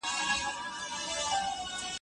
نړۍ رڼا شي